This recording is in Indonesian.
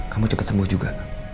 kamu cepat sembuh juga